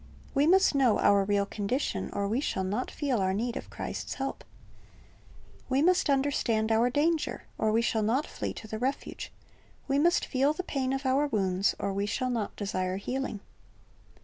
"'' We must know our real condition, or we shall not feel our need of Christ's help. We must understand our danger, or we shall not flee to the refuge. We must feel the pain of our wounds, or we shall not desire healing.